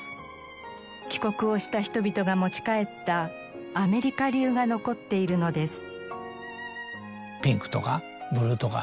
帰国をした人々が持ち帰ったアメリカ流が残っているのです。